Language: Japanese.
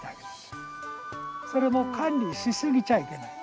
それも管理しすぎちゃいけない。